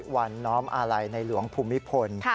วันน้อมอาลัยในหลวงภูมิพล